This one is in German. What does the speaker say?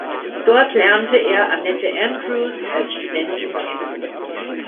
Dort lernte er Annette Andrews als Studentin kennen.